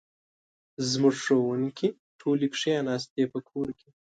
زموږ ښوونکې ټولې کښېناستي په کور کې